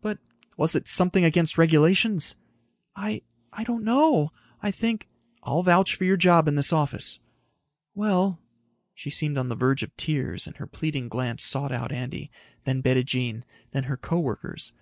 but...." "Was it something against regulations?" "I ... I don't know. I think...." "I'll vouch for your job in this office." "Well...." She seemed on the verge of tears and her pleading glance sought out Andy, then Bettijean, then her co workers.